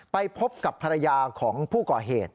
ไปพบกับภรรยาของผู้ก่อเหตุ